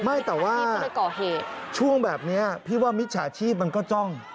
ไม่แต่ว่าช่วงแบบนี้พี่ว่ามิจฉาชีพมันก็จ้อง